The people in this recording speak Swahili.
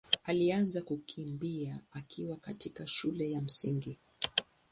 alianza kukimbia akiwa katika shule ya Msingi.